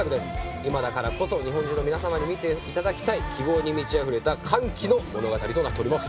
今だからこそ、日本中の皆さんに見ていただきたい希望に満ちあふれた歓喜の物語となっています。